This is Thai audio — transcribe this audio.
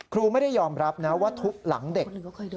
ครูไม่ได้ยอมรับนะว่าทุบหลังเด็ก